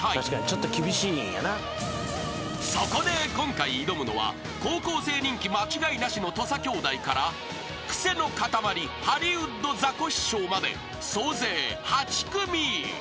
［そこで今回挑むのは高校生人気間違いなしの土佐兄弟からクセの塊ハリウッドザコシショウまで総勢８組］